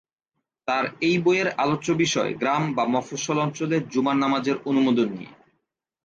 তার এই বইয়ের আলোচ্য বিষয় গ্রাম বা মফস্বল অঞ্চলে জুমার নামাজের অনুমোদন নিয়ে।